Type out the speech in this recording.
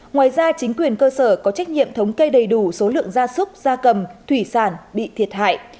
ngoài ra chính quyền cơ sở có trách nhiệm thống cây đầy đủ số lượng ra súc ra cầm thủy sản bị thiệt hại